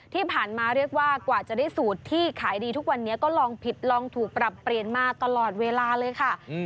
ที่ผ่านมาเรียกว่ากว่าจะได้สูตรที่ขายดีทุกวันนี้ก็ลองผิดลองถูกปรับเปลี่ยนมาตลอดเวลาเลยค่ะ